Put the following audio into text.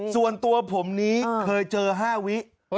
ส่วนตัวผมนี้เคยเจอ๕วิ